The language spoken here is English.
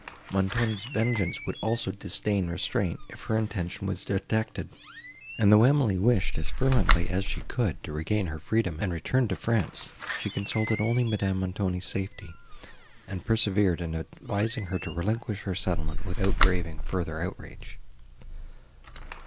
—Montoni's vengeance would also disdain restraint, if her intention was detected: and, though Emily wished, as fervently as she could do, to regain her freedom, and return to France, she consulted only Madame Montoni's safety, and persevered in advising her to relinquish her settlement, without braving further outrage.